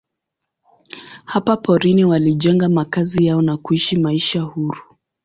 Hapa porini walijenga makazi yao na kuishi maisha huru.